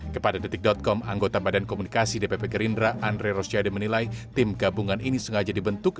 kepada detik com anggota badan komunikasi dpp gerindra andre rosyade menilai tim gabungan ini sengaja dibentuk